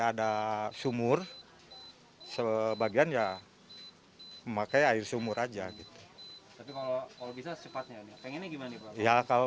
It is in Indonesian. ada sumur sebagian ya memakai air sumur aja gitu tapi kalau bisa secepatnya nih pengennya gimana ya kalau